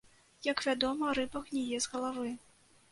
Як вядома, рыба гніе з галавы.